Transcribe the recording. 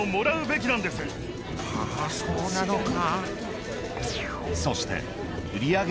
そうなのか。